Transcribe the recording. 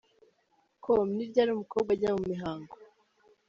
com: Ni ryari umukobwa ajya mu mihango?.